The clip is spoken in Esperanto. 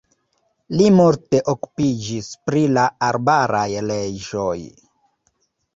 Li multe okupiĝis pri la arbaraj leĝoj.